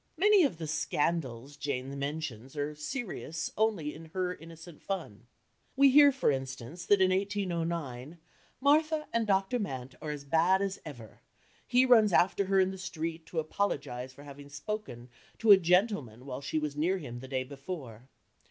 Many of the "scandals" Jane mentions are "serious" only in her innocent fun. We hear, for instance, that in 1809, "Martha and Dr. Mant are as bad as ever, he runs after her in the street to apologize for having spoken to a gentleman while she was near him the day before.